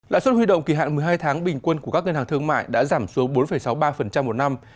lãi suất huy động kỳ hạn một mươi hai tháng bình quân của các ngân hàng thương mại đã giảm xuống bốn sáu mươi ba một năm